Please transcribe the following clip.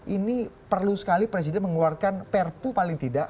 ini perlu sekali presiden mengeluarkan perpu paling tidak